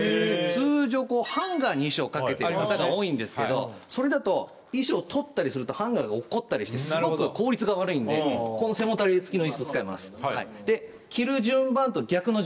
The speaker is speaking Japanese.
通常ハンガーに衣装を掛けてる方が多いんですけどそれだと衣装を取ったりするとハンガーが落っこちたりしてすごく効率が悪いんでこの背もたれ付きの椅子を使います。